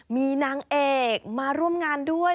มีนางเอกมาร่วมงานด้วย